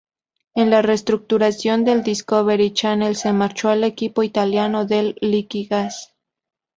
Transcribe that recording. En la reestructuración del Discovery Channel se marchó al equipo italiano del Liquigas.